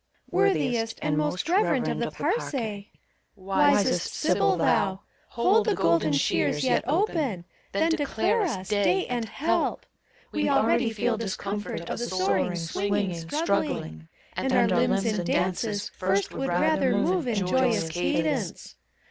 Worthiest and most reverend of the Parcse, wisest sibyl thou, Hold the golden shears yet open, then declare us Day and Help! We already feel discomfort of the soaring, swinging, struggling; And our limbs in dances first would rather move in joyous cadence.